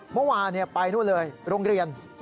เมื่อวานี่ไปโรงเรียน